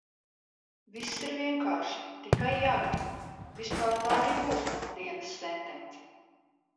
Viss ir vienkārši, tikai jāgrib. Vispār tā arī būs mana dienas sentence.